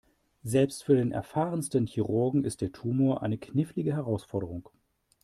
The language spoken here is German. Selbst für den erfahrensten Chirurgen ist der Tumor eine knifflige Herausforderung.